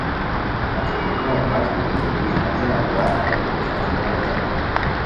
ہتے کوٹوا بس بیتی دی ہتیرا انگار کوریکو کیاغ نو لیتانی